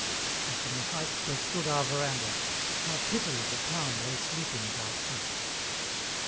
And, from the heights where stood our veranda, how prettily the town lay sleeping at our feet!